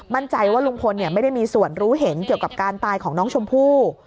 มั่นใจว่าลุงพลไม่ได้มีส่วนรู้เห็นเกี่ยวกับการตายของน้องชมพู่